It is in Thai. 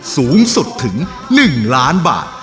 สูงสุดถึง๑ล้านบาท